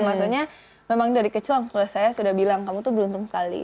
maksudnya memang dari kecoang kalau saya sudah bilang kamu tuh beruntung sekali